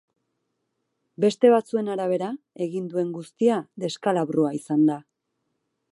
Beste batzuen arabera, egin duen guztia deskalabrua izan da.